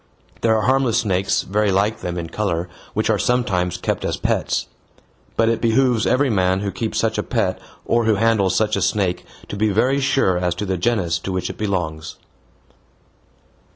There are harmless snakes very like them in color which are sometimes kept as pets; but it behooves every man who keeps such a pet or who handles such a snake to be very sure as to the genus to which it belongs.